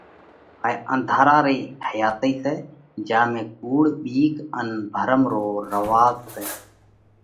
هائي انڌارا رئِي حياتئِي سئہ جيا ۾ ڪُوڙ، ٻِيڪ ان ڀرم رو راز سئہ۔